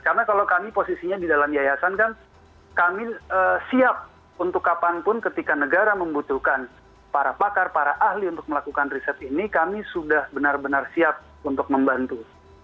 karena kalau kami posisinya di dalam yayasan kan kami siap untuk kapanpun ketika negara membutuhkan para pakar para ahli untuk melakukan riset ini kami sudah benar benar siap untuk membantu